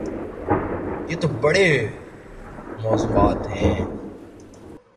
یہ تو بڑے موضوعات ہیں۔